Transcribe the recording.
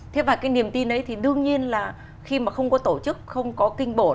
thế và cái niềm tin ấy thì đương nhiên là khi mà không có tổ chức không có kinh bổ